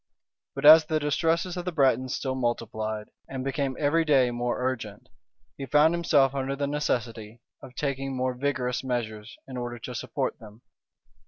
But as the distresses of the Bretons still multiplied, and became every day more urgent, he found himself under the necessity of taking more vigorous measures, in order to support them.